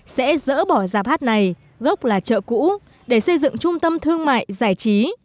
sẽ dỡ bỏ giạp hát này gốc là chợ cũ để xây dựng trung tâm thương mại giải trí